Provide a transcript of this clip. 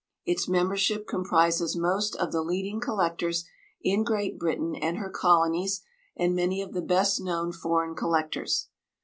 Its membership comprises most of the leading collectors in Great Britain and her Colonies and many of the best known foreign collectors.